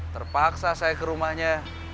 terpaksa saya ke rumahnya